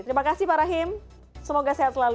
terima kasih pak rahim semoga sehat selalu